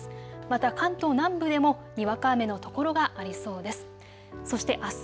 また関東南部でもにわか雨の所がありそうです。